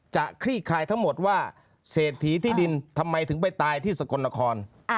คลี่คลายทั้งหมดว่าเศรษฐีที่ดินทำไมถึงไปตายที่สกลนคร